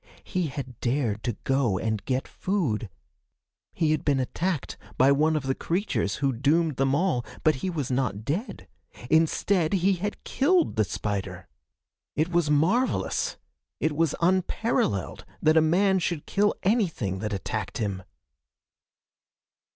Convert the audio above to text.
He had dared to go and get food! He had been attacked by one of the creatures who doomed them all, but he was not dead! Instead, he had killed the spider! It was marvelous! It was unparalleled that a man should kill anything that attacked him!